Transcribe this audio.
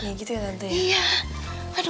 ini bagus banget